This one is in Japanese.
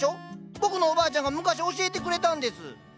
僕のおばあちゃんが昔教えてくれたんです。